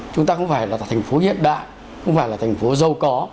chúng ta không phải là thành phố hiện đại không phải là thành phố giàu có